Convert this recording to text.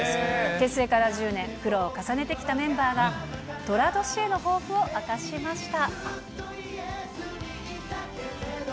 結成から１０年、苦労を重ねてきたメンバーが、とら年への抱負を明かしました。